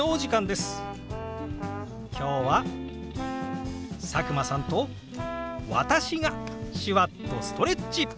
今日は佐久間さんと私が手話っとストレッチ！